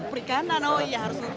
perikanan oh iya harus